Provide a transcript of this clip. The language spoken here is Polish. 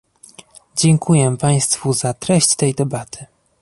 Dziękuję Państwu za treść tej debaty